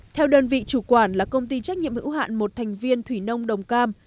theo đơn vị chủ quản là công ty trách nhiệm hữu hạn một thành viên thủy nông đồng cam